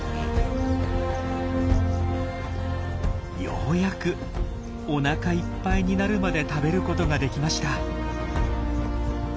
ようやくおなかいっぱいになるまで食べることができました。